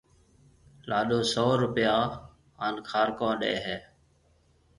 لاڏو سئو روپيا ھان کارڪون ڏَي ھيََََ